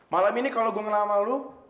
malam ini kalau gue ngelama lo